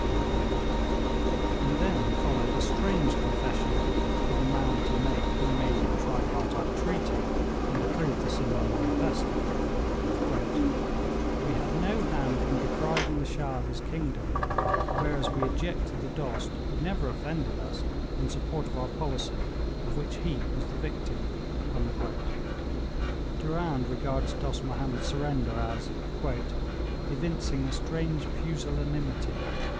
And then followed a strange confession for the man to make who made the tripartite treaty, and approved the Simla manifesto: 'We had no hand in depriving the Shah of his kingdom, whereas we ejected the Dost, who never offended us, in support of our policy, of which he was the victim.' Durand regards Dost Mahomed's surrender as 'evincing a strange pusillanimity.'